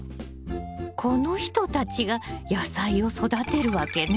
この人たちが野菜を育てるわけね！